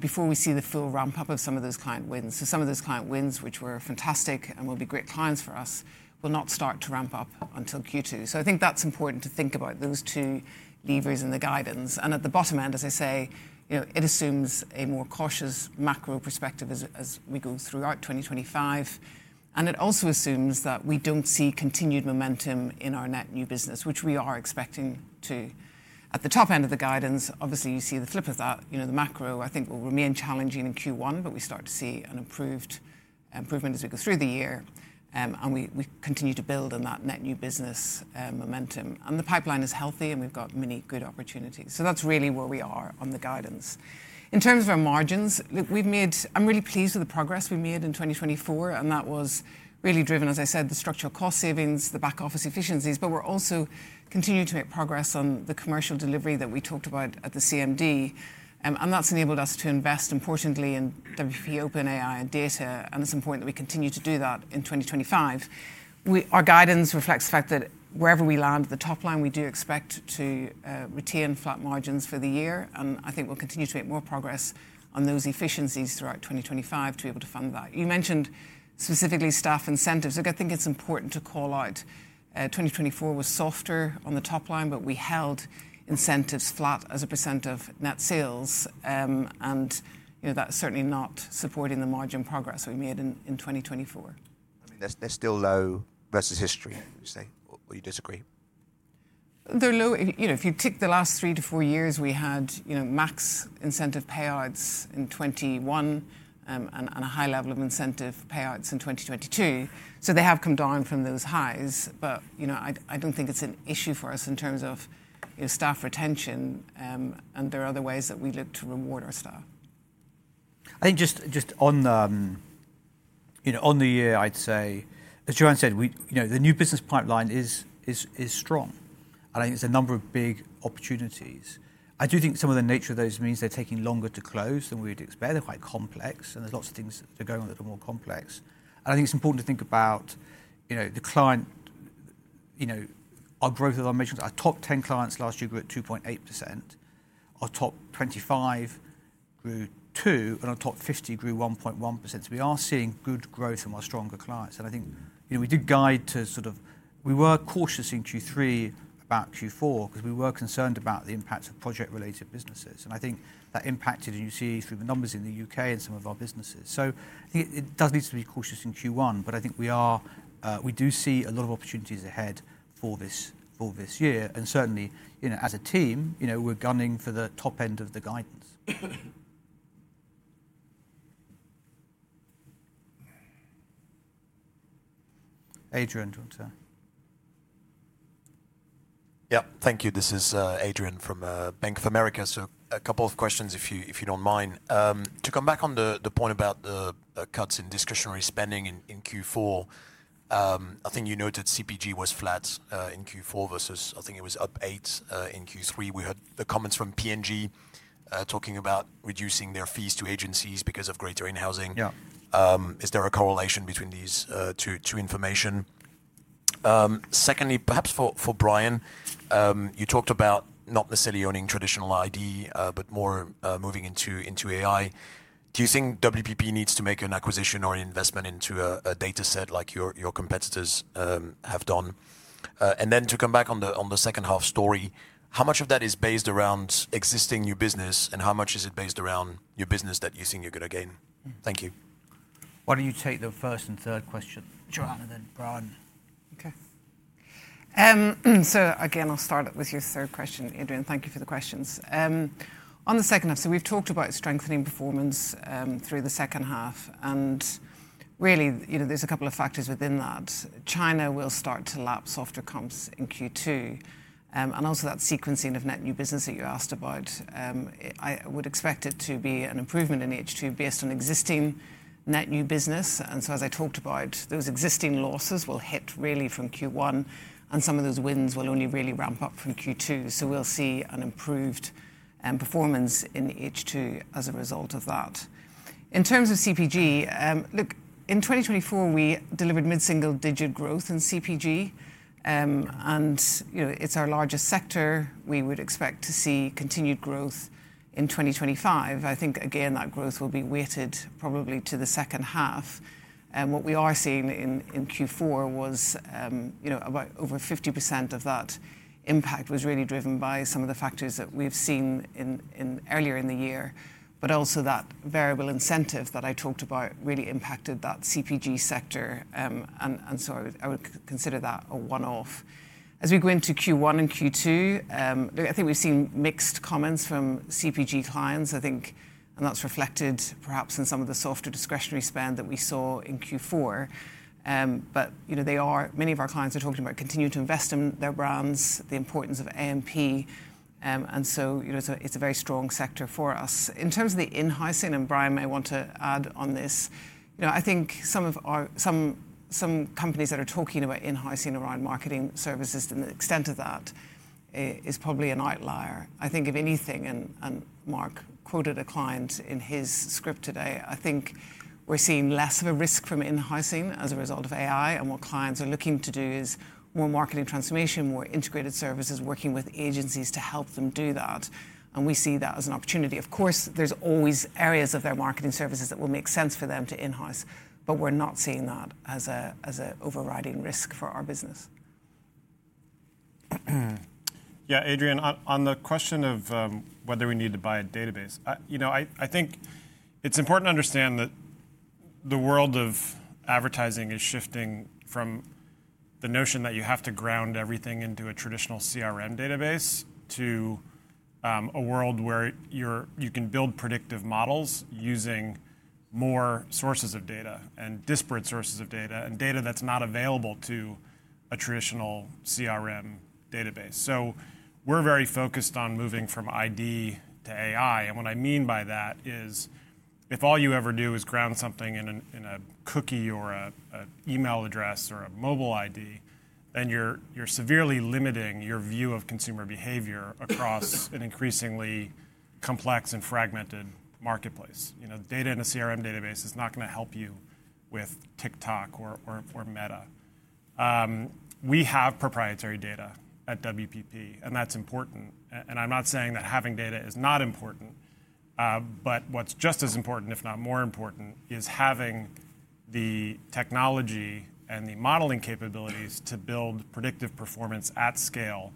before we see the full ramp-up of some of those client wins. So some of those client wins, which were fantastic and will be great clients for us, will not start to ramp up until Q2. So I think that's important to think about those two levers in the guidance. And at the bottom end, as I say, it assumes a more cautious macro perspective as we go throughout 2025. And it also assumes that we don't see continued momentum in our net new business, which we are expecting to. At the top end of the guidance, obviously, you see the flip of that. The macro, I think, will remain challenging in Q1, but we start to see an improvement as we go through the year. And we continue to build on that net new business momentum. And the pipeline is healthy, and we've got many good opportunities. So that's really where we are on the guidance. In terms of our margins, look, I'm really pleased with the progress we made in 2024. And that was really driven, as I said, the structural cost savings, the back-office efficiencies. But we're also continuing to make progress on the commercial delivery that we talked about at the CMD. And that's enabled us to invest importantly in WPP Open, AI, and data. And it's important that we continue to do that in 2025. Our guidance reflects the fact that wherever we land at the top line, we do expect to retain flat margins for the year. And I think we'll continue to make more progress on those efficiencies throughout 2025 to be able to fund that. You mentioned specifically staff incentives. Look, I think it's important to call out 2024 was softer on the top line, but we held incentives flat as a % of net sales. That's certainly not supporting the margin progress we made in 2024. I mean, they're still low versus history, would you say? Or you disagree? They're low. If you tick the last three to four years, we had max incentive payouts in 2021 and a high level of incentive payouts in 2022. So they have come down from those highs. But I don't think it's an issue for us in terms of staff retention. And there are other ways that we look to reward our staff. I think just on the year, I'd say, as Joanne said, the new business pipeline is strong, and I think there's a number of big opportunities. I do think some of the nature of those means they're taking longer to close than we'd expect. They're quite complex, and there's lots of things that are going on that are more complex, and I think it's important to think about the client, our growth of our measures. Our top 10 clients last year grew at 2.8%. Our top 25 grew 2%, and our top 50 grew 1.1%, so we are seeing good growth from our stronger clients, and I think we did guide to sort of we were cautious in Q3 about Q4 because we were concerned about the impact of project-related businesses, and I think that impacted, as you see through the numbers in the UK and some of our businesses. So I think it does need to be cautious in Q1. But I think we do see a lot of opportunities ahead for this year. And certainly, as a team, we're gunning for the top end of the guidance. Adrien, do you want to? Yeah, thank you. This is Adrien de Saint Hilaire from Bank of America. So a couple of questions, if you don't mind. To come back on the point about the cuts in discretionary spending in Q4, I think you noted CPG was flat in Q4 versus I think it was up eight in Q3. We heard the comments from P&G talking about reducing their fees to agencies because of greater in-housing. Is there a correlation between these two information? Secondly, perhaps for Brian, you talked about not necessarily owning traditional ID, but more moving into AI. Do you think WPP needs to make an acquisition or an investment into a data set like your competitors have done? And then to come back on the second half story, how much of that is based around existing new business, and how much is it based around new business that you think you're going to gain? Thank you. Why don't you take the first and third question, Joanne and then Brian? Okay. So again, I'll start with your third question, Adrien. Thank you for the questions. On the second half, so we've talked about strengthening performance through the second half. And really, there's a couple of factors within that. China will start to lapse after comps in Q2. And also that sequencing of net new business that you asked about, I would expect it to be an improvement in H2 based on existing net new business. And so as I talked about, those existing losses will hit really from Q1. And some of those wins will only really ramp up from Q2. So we'll see an improved performance in H2 as a result of that. In terms of CPG, look, in 2024, we delivered mid-single-digit growth in CPG. And it's our largest sector. We would expect to see continued growth in 2025. I think, again, that growth will be weighted probably to the second half. And what we are seeing in Q4 was about over 50% of that impact was really driven by some of the factors that we've seen earlier in the year. But also that variable incentive that I talked about really impacted that CPG sector. And so I would consider that a one-off. As we go into Q1 and Q2, I think we've seen mixed comments from CPG clients, I think, and that's reflected perhaps in some of the softer discretionary spend that we saw in Q4. But many of our clients are talking about continuing to invest in their brands, the importance of A&P. And so it's a very strong sector for us. In terms of the in-housing, and Brian, I want to add on this. I think some companies that are talking about in-housing around marketing services to the extent of that is probably an outlier. I think of anything, and Mark quoted a client in his script today, I think we're seeing less of a risk from in-housing as a result of AI. And what clients are looking to do is more marketing transformation, more integrated services, working with agencies to help them do that. And we see that as an opportunity. Of course, there's always areas of their marketing services that will make sense for them to in-house. But we're not seeing that as an overriding risk for our business. Yeah, Adrien, on the question of whether we need to buy a database, I think it's important to understand that the world of advertising is shifting from the notion that you have to ground everything into a traditional CRM database to a world where you can build predictive models using more sources of data and disparate sources of data and data that's not available to a traditional CRM database. So we're very focused on moving from ID to AI. And what I mean by that is if all you ever do is ground something in a cookie or an email address or a mobile ID, then you're severely limiting your view of consumer behavior across an increasingly complex and fragmented marketplace. Data in a CRM database is not going to help you with TikTok or Meta. We have proprietary data at WPP, and that's important. I'm not saying that having data is not important. What's just as important, if not more important, is having the technology and the modeling capabilities to build predictive performance at scale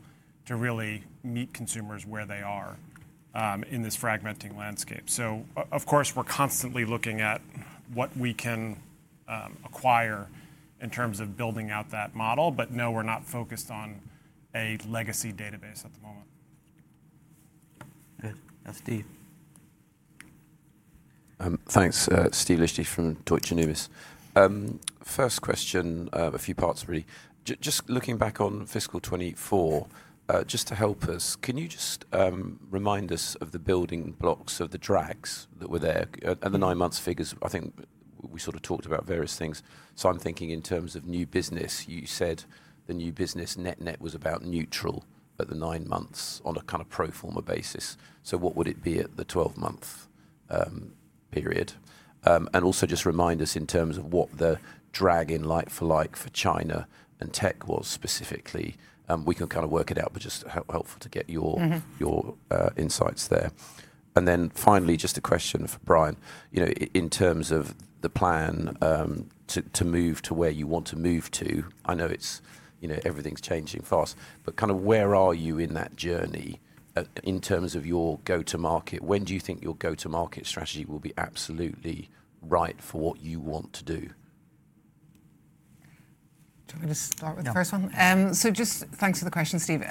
to really meet consumers where they are in this fragmenting landscape. Of course, we're constantly looking at what we can acquire in terms of building out that model. No, we're not focused on a legacy database at the moment. Good. That's Steve. Thanks, Steve Liechti from Deutsche Numis. First question, a few parts really. Just looking back on fiscal 2024, just to help us, can you just remind us of the building blocks of the drags that were there and the nine-month figures? I think we sort of talked about various things. So I'm thinking in terms of new business, you said the new business net-net was about neutral at the nine months on a kind of pro forma basis. So what would it be at the 12-month period? And also just remind us in terms of what the drag in like-for-like for China and tech was specifically. We can kind of work it out, but just helpful to get your insights there. And then finally, just a question for Brian, in terms of the plan to move to where you want to move to. I know everything's changing fast, but kind of where are you in that journey in terms of your go-to-market? When do you think your go-to-market strategy will be absolutely right for what you want to do? Do you want me to start with the first one? So just thanks for the question, Steve.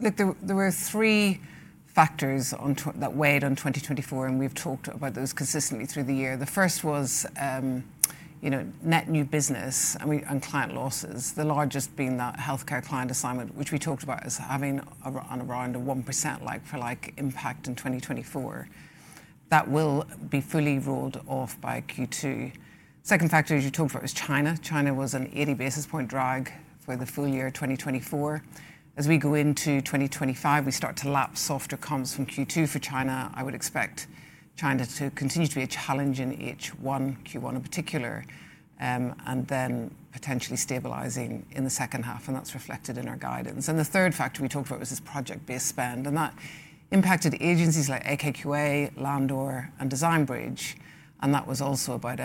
Look, there were three factors that weighed on 2024, and we've talked about those consistently through the year. The first was net new business and client losses, the largest being the healthcare client assignment, which we talked about as having around a 1% like-for-like impact in 2024. That will be fully rolled off by Q2. Second factor, as you talked about, was China. China was an 80 basis point drag for the full year 2024. As we go into 2025, we start to lapse softer comps from Q2 for China. I would expect China to continue to be a challenge in H1, Q1 in particular, and then potentially stabilizing in the second half. And that's reflected in our guidance. And the third factor we talked about was this project-based spend. And that impacted agencies like AKQA, Landor, and Design Bridge. And that was also about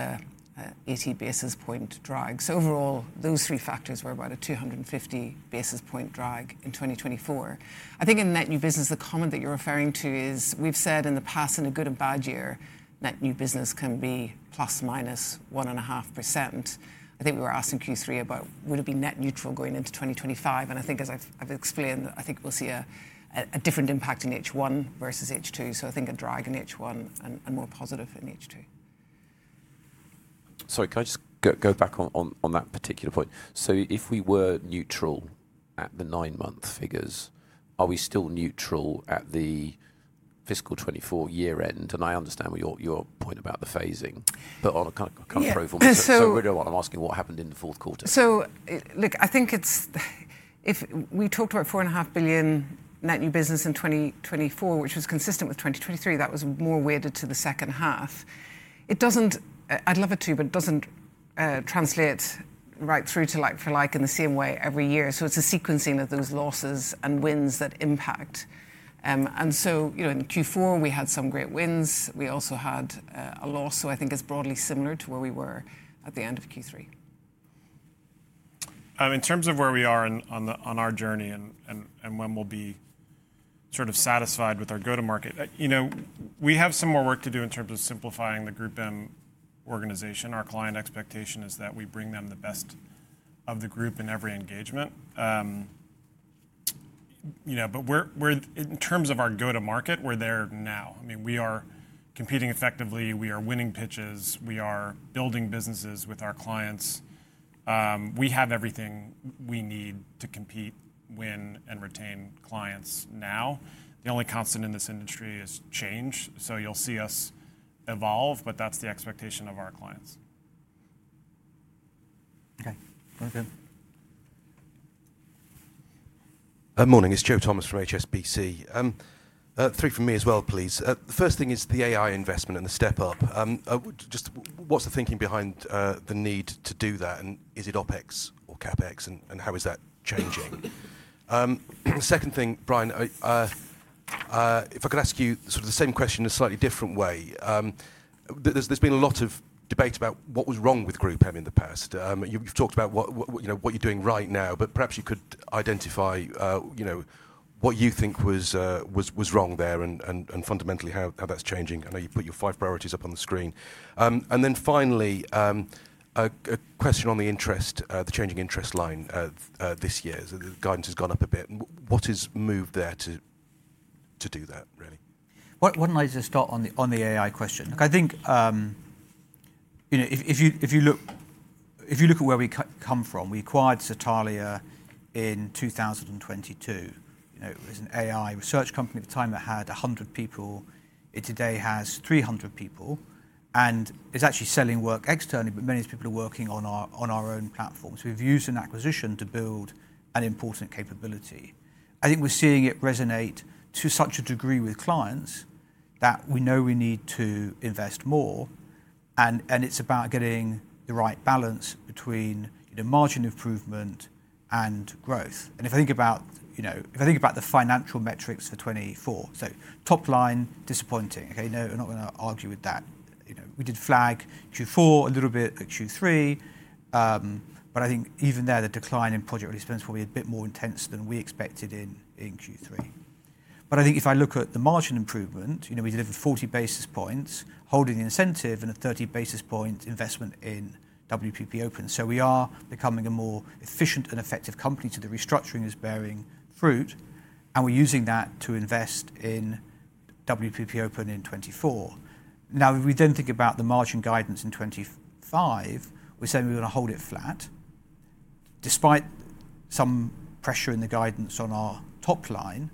an 80 basis point drag. So overall, those three factors were about a 250 basis point drag in 2024. I think in net new business, the comment that you're referring to is we've said in the past, in a good and bad year, net new business can be ±1.5%. I think we were asked in Q3 about, would it be net neutral going into 2025? And I think, as I've explained, I think we'll see a different impact in H1 versus H2. So I think a drag in H1 and more positive in H2. Sorry, can I just go back on that particular point? So if we were neutral at the nine-month figures, are we still neutral at the fiscal 2024 year-end? And I understand your point about the phasing, but on a kind of pro forma basis. So really, I'm asking what happened in the fourth quarter. So look, I think if we talked about 4.5 billion net new business in 2024, which was consistent with 2023, that was more weighted to the second half. I'd love it to, but it doesn't translate right through to like-for-like in the same way every year. So it's a sequencing of those losses and wins that impact. And so in Q4, we had some great wins. We also had a loss. So I think it's broadly similar to where we were at the end of Q3. In terms of where we are on our journey and when we'll be sort of satisfied with our go-to-market, we have some more work to do in terms of simplifying the GroupM organization. Our client expectation is that we bring them the best of the group in every engagement. But in terms of our go-to-market, we're there now. I mean, we are competing effectively. We are winning pitches. We are building businesses with our clients. We have everything we need to compete, win, and retain clients now. The only constant in this industry is change. So you'll see us evolve, but that's the expectation of our clients. Okay. Very good. Good morning. It's Joe Thomas from HSBC. Three from me as well, please. The first thing is the AI investment and the step up. Just what's the thinking behind the need to do that? And is it OpEx or CapEx? And how is that changing? Second thing, Brian, if I could ask you sort of the same question in a slightly different way. There's been a lot of debate about what was wrong with GroupM in the past. You've talked about what you're doing right now, but perhaps you could identify what you think was wrong there and fundamentally how that's changing. I know you put your five priorities up on the screen. And then finally, a question on the interest, the changing interest line this year. The guidance has gone up a bit. What has moved there to do that, really? Why don't I just start on the AI question? Look, I think if you look at where we come from, we acquired Satalia in 2022. It was an AI research company at the time. It had 100 people. It today has 300 people. And it's actually selling work externally, but many of these people are working on our own platforms. We've used an acquisition to build an important capability. I think we're seeing it resonate to such a degree with clients that we know we need to invest more. And it's about getting the right balance between margin improvement and growth. And if I think about the financial metrics for 24, so top line, disappointing. Okay, no, we're not going to argue with that. We did flag Q4 a little bit at Q3. But I think even there, the decline in project-related spend is probably a bit more intense than we expected in Q3. But I think if I look at the margin improvement, we delivered 40 basis points, holding the incentive and a 30 basis points investment in WPP Open. So we are becoming a more efficient and effective company, as the restructuring is bearing fruit. And we're using that to invest in WPP Open in 2024. Now, if we then think about the margin guidance in 2025, we're saying we're going to hold it flat despite some pressure in the guidance on our top line.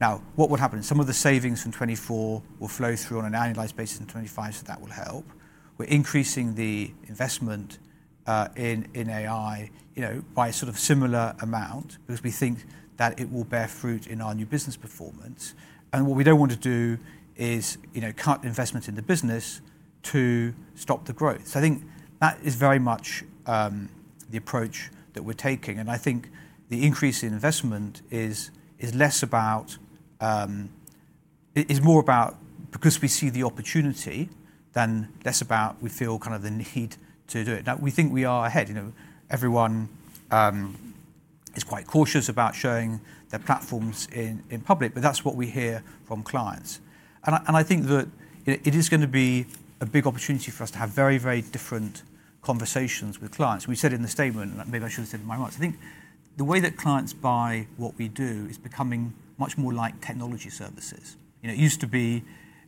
Now, what will happen? Some of the savings from 2024 will flow through on an annualized basis in 2025, so that will help. We're increasing the investment in AI by a sort of similar amount because we think that it will bear fruit in our new business performance. And what we don't want to do is cut investment in the business to stop the growth. So I think that is very much the approach that we're taking. And I think the increase in investment is less about because we see the opportunity than less about we feel kind of the need to do it. Now, we think we are ahead. Everyone is quite cautious about showing their platforms in public, but that's what we hear from clients. And I think that it is going to be a big opportunity for us to have very, very different conversations with clients. We said in the statement, and maybe I should have said it in my remarks, I think the way that clients buy what we do is becoming much more like technology services. It used to be,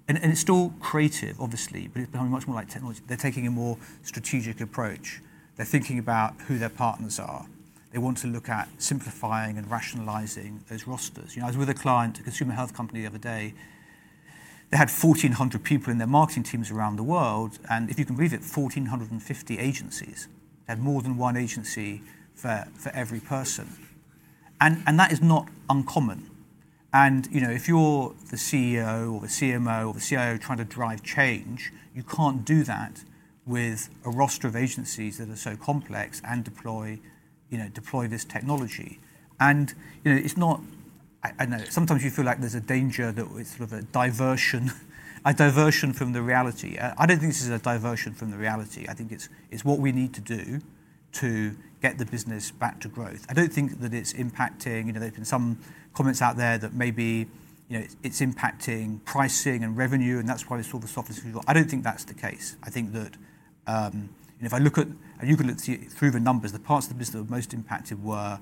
and it's still creative, obviously, but it's becoming much more like technology. They're taking a more strategic approach. They're thinking about who their partners are. They want to look at simplifying and rationalizing those rosters. I was with a client, a consumer health company the other day. They had 1,400 people in their marketing teams around the world. And if you can believe it, 1,450 agencies. They had more than one agency for every person. And that is not uncommon. And if you're the CEO or the CMO or the CIO trying to drive change, you can't do that with a roster of agencies that are so complex and deploy this technology. And it's not, I don't know, sometimes you feel like there's a danger that it's sort of a diversion from the reality. I don't think this is a diversion from the reality. I think it's what we need to do to get the business back to growth. I don't think that it's impacting. There have been some comments out there that maybe it's impacting pricing and revenue, and that's why we saw the softness. I don't think that's the case. I think that if I look at, and you can look through the numbers, the parts of the business that were most impacted were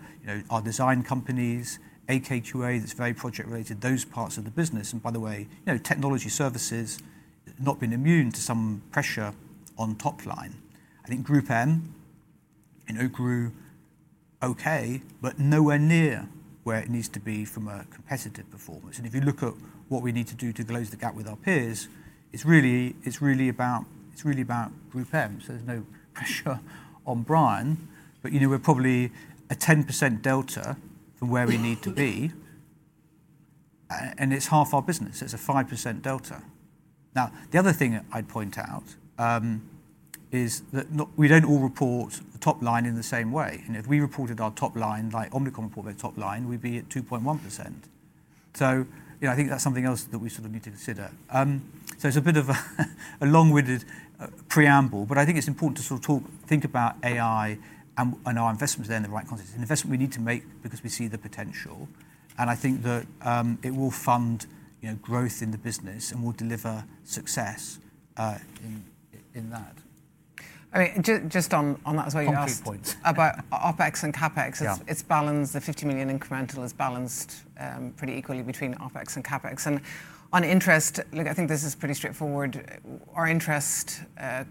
our design companies, AKQA that's very project-related, those parts of the business. And by the way, technology services have not been immune to some pressure on top line. I think GroupM grew okay, but nowhere near where it needs to be from a competitive performance. And if you look at what we need to do to close the gap with our peers, it's really about GroupM. So there's no pressure on Brian. But we're probably a 10% delta from where we need to be. And it's half our business. It's a 5% delta. Now, the other thing I'd point out is that we don't all report the top line in the same way. If we reported our top line, like Omnicom reported their top line, we'd be at 2.1%. So I think that's something else that we sort of need to consider. So it's a bit of a long-winded preamble, but I think it's important to sort of think about AI and our investments there in the right context. An investment we need to make because we see the potential. I think that it will fund growth in the business and will deliver success in that. I mean, just on that as well, you asked about OpEx and CapEx. The 50 million incremental is balanced pretty equally between OpEx and CapEx, and on interest, look, I think this is pretty straightforward. Our interest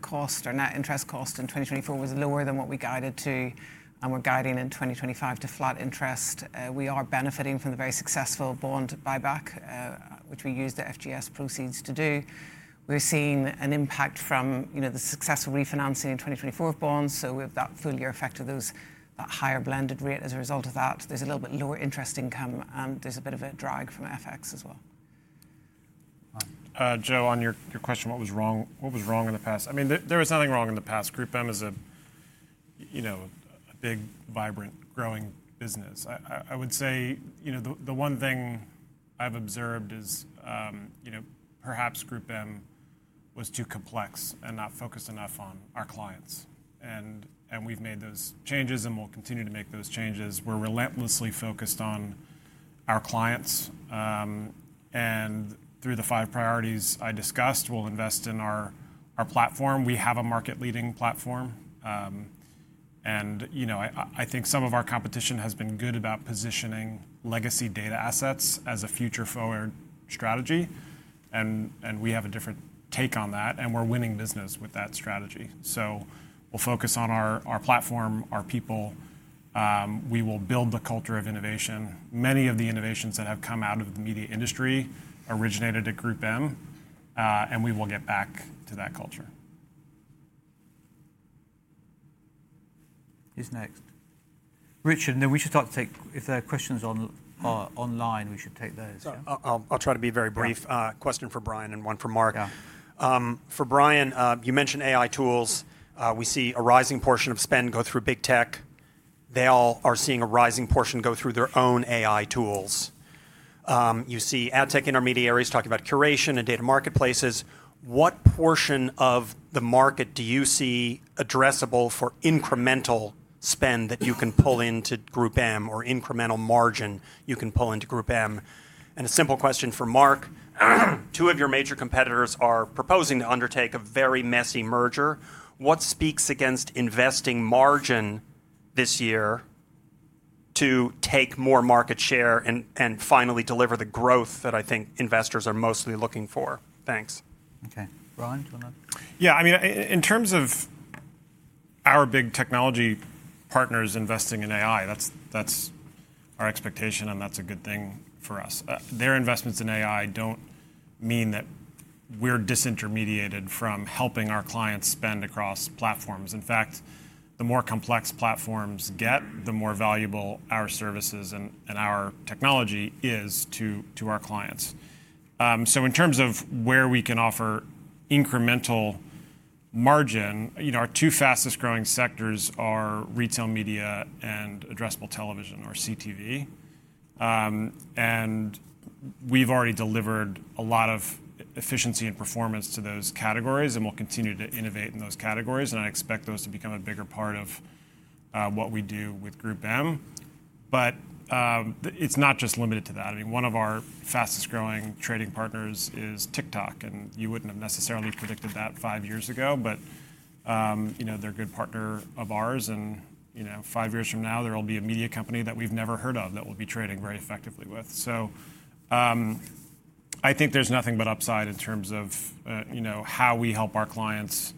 cost, our net interest cost in 2024 was lower than what we guided to, and we're guiding in 2025 to flat interest. We are benefiting from the very successful bond buyback, which we used the FGS proceeds to do. We're seeing an impact from the successful refinancing in 2024 of bonds, so we have that full year effect of that higher blended rate as a result of that. There's a little bit lower interest income, and there's a bit of a drag from FX as well. Joe, on your question, what was wrong in the past? I mean, there was nothing wrong in the past. GroupM is a big, vibrant, growing business. I would say the one thing I've observed is perhaps GroupM was too complex and not focused enough on our clients. And we've made those changes, and we'll continue to make those changes. We're relentlessly focused on our clients. And through the five priorities I discussed, we'll invest in our platform. We have a market-leading platform. And I think some of our competition has been good about positioning legacy data assets as a future-forward strategy. And we have a different take on that, and we're winning business with that strategy. So we'll focus on our platform, our people. We will build the culture of innovation. Many of the innovations that have come out of the media industry originated at GroupM, and we will get back to that culture. Who's next? Richard, then we should start to take if there are questions online. We should take those. I'll try to be very brief. Question for Brian and one for Mark. For Brian, you mentioned AI tools. We see a rising portion of spend go through big tech. They all are seeing a rising portion go through their own AI tools. You see ad tech intermediaries talking about curation and data marketplaces. What portion of the market do you see addressable for incremental spend that you can pull into GroupM or incremental margin you can pull into GroupM? And a simple question for Mark. Two of your major competitors are proposing to undertake a very messy merger. What speaks against investing margin this year to take more market share and finally deliver the growth that I think investors are mostly looking for? Thanks. Okay. Brian, do you want to? Yeah. I mean, in terms of our big technology partners investing in AI, that's our expectation, and that's a good thing for us. Their investments in AI don't mean that we're disintermediated from helping our clients spend across platforms. In fact, the more complex platforms get, the more valuable our services and our technology is to our clients. So in terms of where we can offer incremental margin, our two fastest-growing sectors are retail media and addressable television or CTV. And we've already delivered a lot of efficiency and performance to those categories, and we'll continue to innovate in those categories. And I expect those to become a bigger part of what we do with GroupM. But it's not just limited to that. I mean, one of our fastest-growing trading partners is TikTok. You wouldn't have necessarily predicted that five years ago, but they're a good partner of ours. Five years from now, there will be a media company that we've never heard of that we'll be trading very effectively with. I think there's nothing but upside in terms of how we help our clients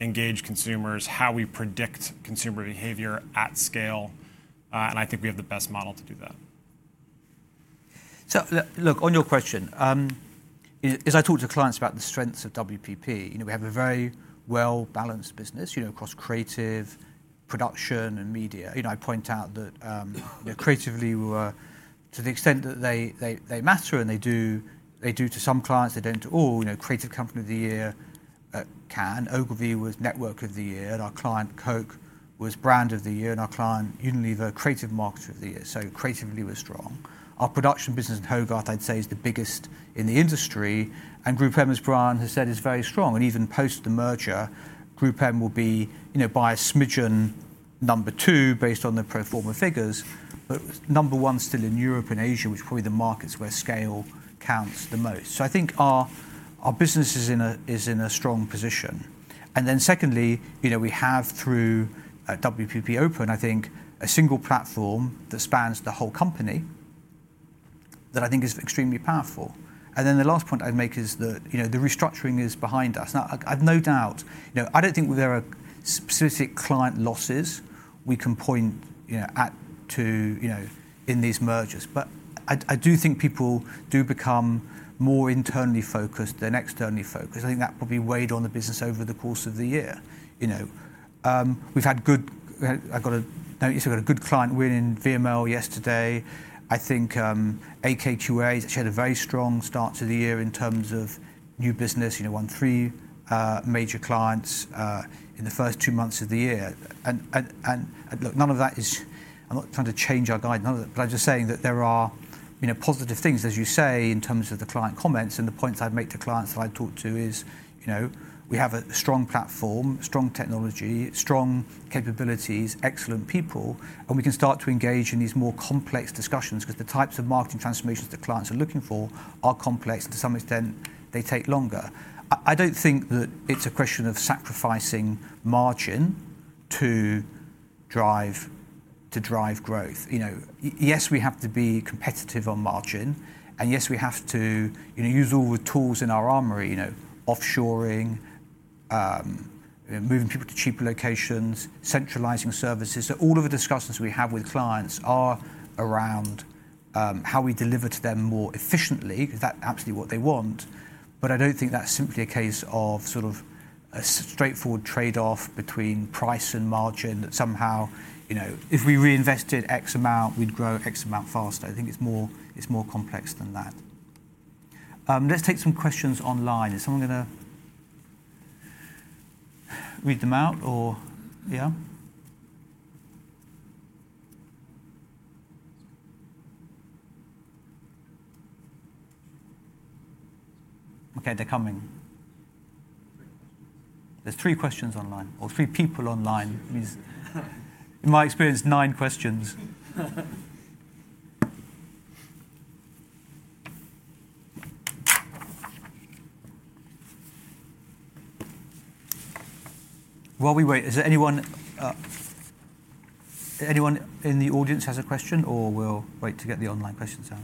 engage consumers, how we predict consumer behavior at scale. I think we have the best model to do that. So look, on your question, as I talk to clients about the strengths of WPP, we have a very well-balanced business across creative, production, and media. I point out that creatively, to the extent that they matter and they do to some clients, they don't at all. Creative Company of the Year, Cannes. Ogilvy was Network of the Year. And our client, Coke, was Brand of the Year. And our client, Unilever, Creative Marketer of the Year. So creatively we're strong. Our production business, Hogarth, I'd say, is the biggest in the industry. And GroupM, as Brian has said, is very strong. And even post the merger, GroupM will be by a smidgen number two based on the pro forma figures, but number one still in Europe and Asia, which are probably the markets where scale counts the most. So I think our business is in a strong position. And then secondly, we have through WPP Open, I think, a single platform that spans the whole company that I think is extremely powerful. And then the last point I'd make is that the restructuring is behind us. Now, I have no doubt. I don't think there are specific client losses we can point to in these mergers. But I do think people do become more internally focused than externally focused. I think that probably weighed on the business over the course of the year. We've had good. I've got a good client win in VML yesterday. I think AKQA actually had a very strong start to the year in terms of new business, won three major clients in the first two months of the year. And look, none of that is. I'm not trying to change our guidance, but I'm just saying that there are positive things, as you say, in terms of the client comments. And the points I've made to clients that I've talked to is we have a strong platform, strong technology, strong capabilities, excellent people, and we can start to engage in these more complex discussions because the types of marketing transformations that clients are looking for are complex. And to some extent, they take longer. I don't think that it's a question of sacrificing margin to drive growth. Yes, we have to be competitive on margin. And yes, we have to use all the tools in our armory, offshoring, moving people to cheaper locations, centralizing services. So all of the discussions we have with clients are around how we deliver to them more efficiently because that's absolutely what they want. But I don't think that's simply a case of sort of a straightforward trade-off between price and margin that somehow, if we reinvested X amount, we'd grow X amount faster. I think it's more complex than that. Let's take some questions online. Is someone going to read them out or yeah? Okay, they're coming. There's three questions online or three people online. In my experience, nine questions. While we wait, is there anyone in the audience who has a question, or we'll wait to get the online questions out?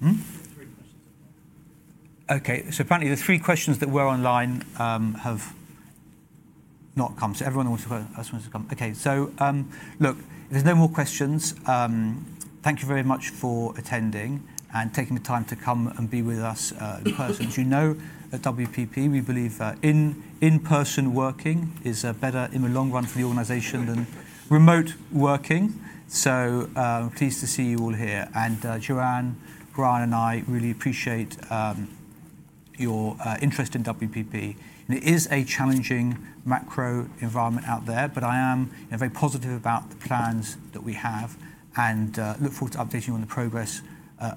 That would be surprising. Okay. So apparently, the three questions that were online have not come. So everyone wants to come. Okay. So look, there's no more questions. Thank you very much for attending and taking the time to come and be with us in person. As you know, at WPP, we believe in-person working is better in the long run for the organization than remote working. So pleased to see you all here. And Joanne, Brian, and I really appreciate your interest in WPP. It is a challenging macro environment out there, but I am very positive about the plans that we have and look forward to updating you on the progress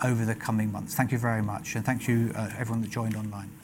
over the coming months. Thank you very much. And thank you, everyone that joined online.